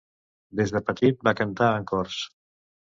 Des de petit va cantar en cors.